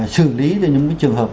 sử lý những cái trường hợp